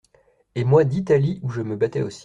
Et moi d’Italie où je me battais aussi.